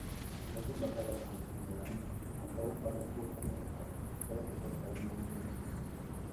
Amagumba gaba ga muntu mulamu, olufa gafuuka magufa, gaba tegakyali magumba.